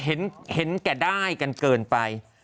เห็นแก่ได้กันเกินไป